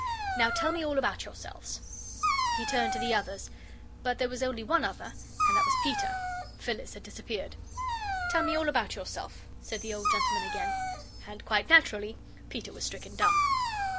Now tell me all about yourselves." He turned to the others, but there was only one other, and that was Peter. Phyllis had disappeared. "Tell me all about yourself," said the old gentleman again. And, quite naturally, Peter was stricken dumb.